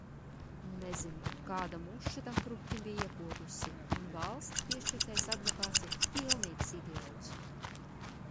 Nezinu, kāda muša tam kruķim bija iekodusi, un valsts piešķirtais advokāts ir pilnīgs idiots!